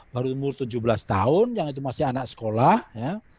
baru umur tujuh belas tahun yang itu masih anak sekolah ya